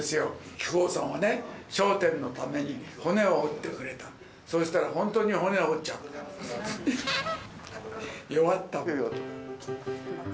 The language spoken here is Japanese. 木久扇さんはね、笑点のために骨を折ってくれた、そしたら本当に骨折っちゃったって、弱ったもんで。